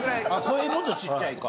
声もっとちっちゃいか。